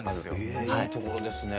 えいいところですね。